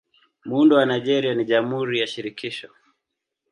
Muundo wa Nigeria ni Jamhuri ya Shirikisho.